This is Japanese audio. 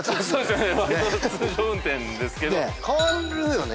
わりと通常運転ですけど変わるよね